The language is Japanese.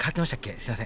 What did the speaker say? すいません